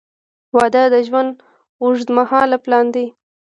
• واده د ژوند اوږدمهاله پلان دی.